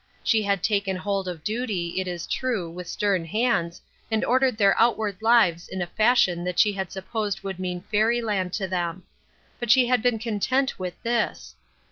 She had taken hold of duty, it is true, with stern hands, and ordered their out ward lives in a fashion that she had supposed would mean fairyland to them ; but she had been content with this.